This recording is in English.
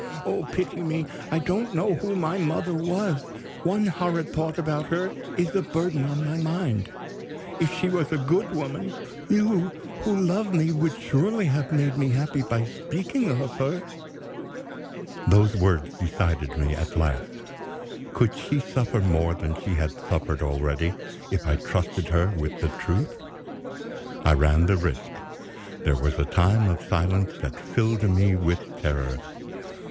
Oh, pity me! I don't know who my mother was. One horrid thought about her is a burden on my mind. If she was a good woman, you who love me would surely have made me happy by speaking of her?" Those words decided me at last. Could she suffer more than she had suffered already, if I trusted her with the truth? I ran the risk. There was a time of silence that filled me with terror.